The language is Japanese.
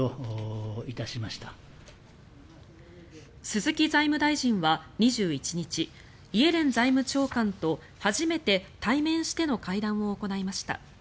鈴木財務大臣は２１日イエレン財務長官と初めて対面しての会談を行いました。